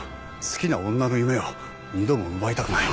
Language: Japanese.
好きな女の夢を二度も奪いたくない。